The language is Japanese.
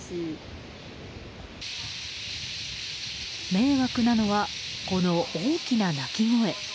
迷惑なのは、この大きな鳴き声。